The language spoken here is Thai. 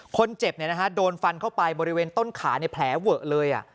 คนเจ็บโดนฟันเข้าไปบริเวณต้นขาแผลเวอะเลย